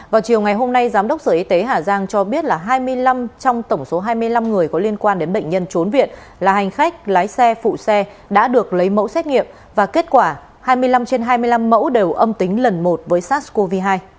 vào chiều ngày hôm nay giám đốc sở y tế hà giang cho biết là hai mươi năm trong tổng số hai mươi năm người có liên quan đến bệnh nhân trốn viện là hành khách lái xe phụ xe đã được lấy mẫu xét nghiệm và kết quả hai mươi năm trên hai mươi năm mẫu đều âm tính lần một với sars cov hai